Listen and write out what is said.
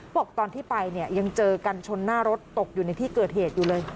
บอกตอนที่ไปเนี่ยยังเจอกันชนหน้ารถตกอยู่ในที่เกิดเหตุอยู่เลย